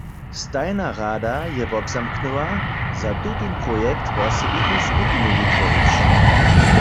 Stajna rada je wobzamknyła, za tutón projekt wosebitu skupinu wutworić.